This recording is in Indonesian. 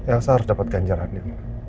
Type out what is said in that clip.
elsa harus dapatkan jaraknya